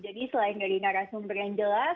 jadi selain dari narasumber yang jelas